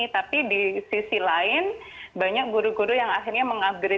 tapi di sisi lain banyak guru guru yang akhirnya mengupgrade